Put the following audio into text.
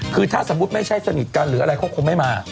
คือถ้าสมมุติไม่ใช่สนิทกันหรืออะไรเขาคงไม่มา